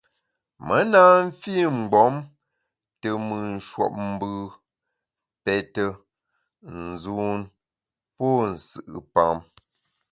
Me na mfi mgbom te mùt nshuopmbù, pète, nzun pô nsù’pam.